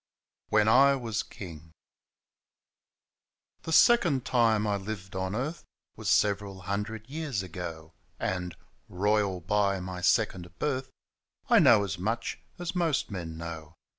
WHEN I WAS KINO Thb second time I lived on earth Was several hundred years ago ; And — ^royal by my second birth — I know as much as most men know.